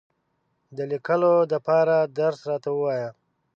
د لیکلو دپاره درس راته ووایه !